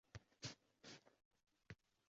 qiynalib, o’rtanib turganda yakka